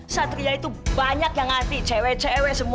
satria itu banyak yang anti cewek cewek semua